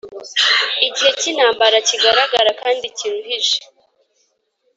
Igihe cy’ intambara kigaragara kandi kiruhije